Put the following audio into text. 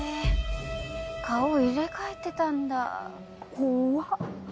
顔入れ替えてたんだ怖っ。